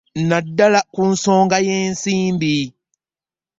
Naddala ku nsonga y'ensimbi